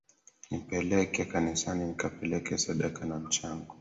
Nipeleke kanisani nikapeleke sadaka na mchango